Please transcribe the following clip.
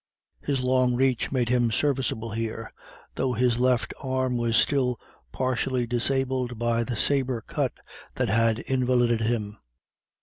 His long reach made him serviceable here, though his left arm was still partially disabled by the sabre cut that had invalided him.